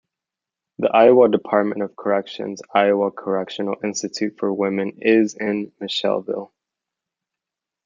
The Iowa Department of Corrections Iowa Correctional Institution for Women is in Mitchellville.